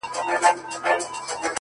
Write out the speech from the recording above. کمزوری سوئ يمه! څه رنگه دي ياده کړمه!